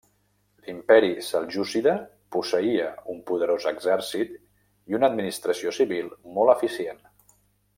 L'imperi seljúcida posseïa un poderós exèrcit i una administració civil molt eficient.